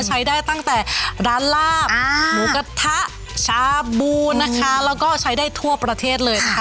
ใช้ได้ตั้งแต่ร้านลาบหมูกระทะชาบูนะคะแล้วก็ใช้ได้ทั่วประเทศเลยค่ะ